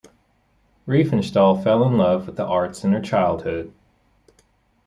Riefenstahl fell in love with the arts in her childhood.